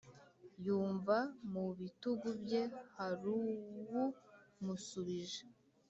Yumva mubitugu bye haruwumusubije